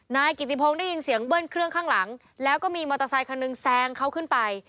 นายกิติพงศ์ได้ยินเสียงเบิ้ลเครื่องข้างหลังแล้วก็มีมอเตอร์ไซคันหนึ่งแซงเขาขึ้นไป